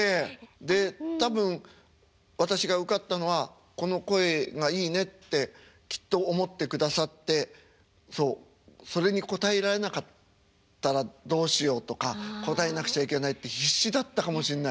で多分私が受かったのはこの声がいいねってきっと思ってくださってそうそれに応えられなかったらどうしようとか応えなくちゃいけないって必死だったかもしんない。